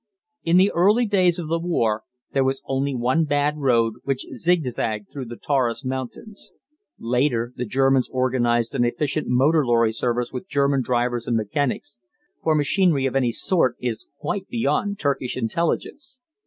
In the early days of the war there was only one bad road, which zigzagged through the Taurus Mountains. Later, the Germans organized an efficient motor lorry service with German drivers and mechanics, for machinery of any sort is quite beyond Turkish intelligence.